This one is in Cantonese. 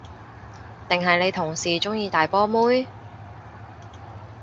定係你同事鍾意大波妹？